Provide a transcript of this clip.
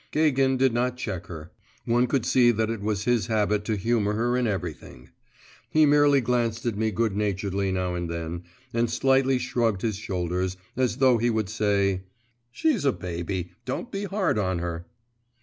Gagin did not check her; one could see that it was his habit to humour her in everything. He merely glanced at me good humouredly now and then, and slightly shrugged his shoulders, as though he would say 'She's a baby; don't be hard on her.